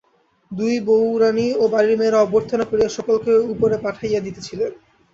দুই বৌ-রানী ও বাড়ির মেয়েরা অভ্যর্থনা করিয়া সকলকে উপরে পাঠাইয়া দিতেছিলেন।